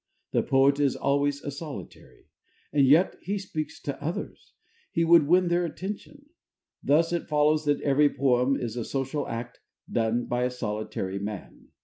The poet is always a solitary; and yet he speaks to others he would win their attention. Thus it follows that every poem is a social act done by a solitary man.